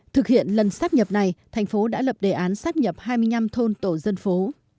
thực hiện lần sắp nhập này thành phố đã lập đề án sắp nhập hai mươi năm thôn tổ dân phố